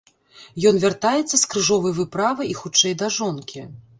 Ён вяртаецца з крыжовай выправы і хутчэй да жонкі.